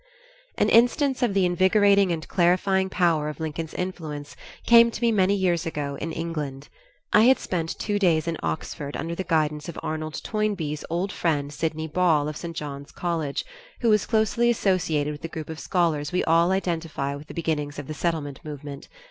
An instance of the invigorating and clarifying power of Lincoln's influence came to me many years ago in England. I had spent two days in Oxford under the guidance of Arnold Toynbee's old friend Sidney Ball of St. John's College, who was closely associated with the group of scholars we all identify with the beginnings of the Settlement movement.